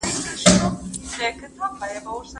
د کرنې عصري کول تر دوديزې هغې ډېره ګټه لري.